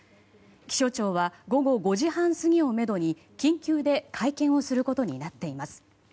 気象庁は午後５時半過ぎをめどに緊急で会見をすることになっています。